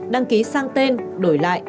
đăng ký sang tên đổi lại